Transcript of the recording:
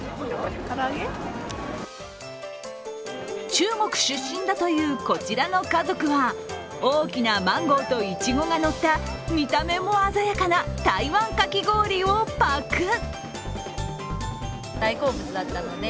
中国出身だというこちらの家族は大きなマンゴーといちごがのった見た目も鮮やかな台湾かき氷をパクッ。